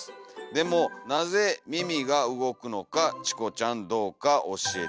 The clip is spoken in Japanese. でもなぜ耳がうごくのかチコちゃんどうか教えてください」。